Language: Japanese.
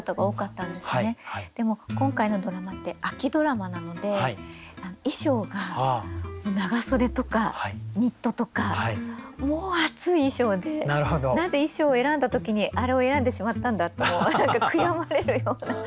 でも今回のドラマって秋ドラマなので衣装が長袖とかニットとかもう暑い衣装でなぜ衣装を選んだ時にあれを選んでしまったんだってもう何か悔やまれるような。